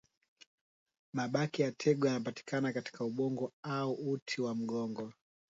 Mabaki ya tegu yanapatikana katika ubongo au uti wa mgongo